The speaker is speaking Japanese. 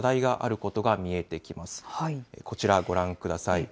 こちらご覧ください。